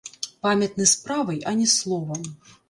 Памятны справай, а не словам.